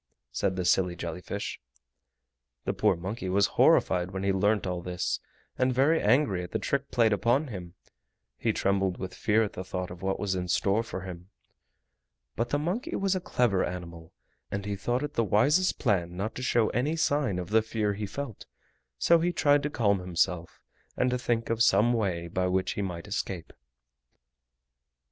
said the silly jelly fish. The poor monkey was horrified when he learnt all this, and very angry at the trick played upon him. He trembled with fear at the thought of what was in store for him. But the monkey was a clever animal, and he thought it the wisest plan not to show any sign of the fear he felt, so he tried to calm himself and to think of some way by which he might escape.